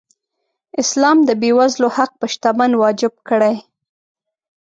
اسلام د بېوزلو حق په شتمن واجب کړی.